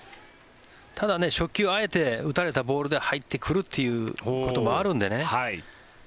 ただ、初球あえて打たれたボールで入ってくるということもあるのでね。